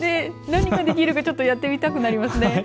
何ができるか、ちょっとやってみたくなりますね。